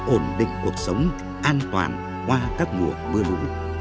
ổn định cuộc sống an toàn qua các mùa mưa lũ